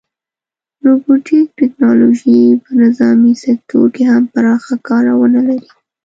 روبوټیک ټیکنالوژي په نظامي سکتور کې هم پراخه کارونه لري.